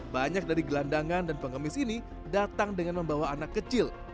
banyak dari gelandangan dan pengemis ini datang dengan membawa anak kecil